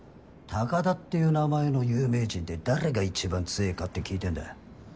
「高田」っていう名前の有名人で誰がいちばん強ぇかって聞いてんだよ。